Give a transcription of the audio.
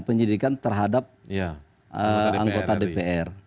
penyidikan terhadap anggota dpr